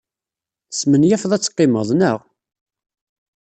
Tesmenyafed ad teqqimed, naɣ?